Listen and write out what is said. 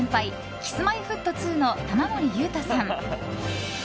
Ｋｉｓ‐Ｍｙ‐Ｆｔ２の玉森裕太さん。